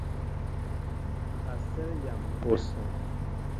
Asέl yam ni osoŋ.